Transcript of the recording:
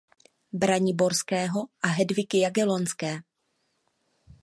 Braniborského a Hedviky Jagellonské.